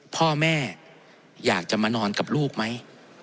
พ่อแม่อยากจะมานอนกับลูกไหม